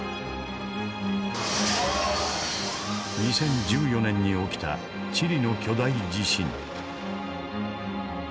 ２０１４年に起きたチリの巨大地震。